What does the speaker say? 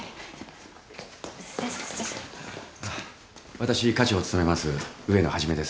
私科長を務めます植野元です。